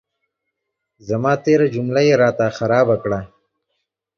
زما تېره جمله یې را ته خرابه کړه.